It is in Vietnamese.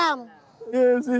anh ơi em xin anh